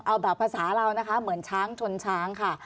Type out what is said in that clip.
เอาแบบภาษาเรานะคะเหมือนช้างชนช้างค่ะ